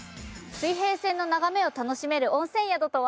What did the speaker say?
水平線の眺めを楽しめる温泉宿とは？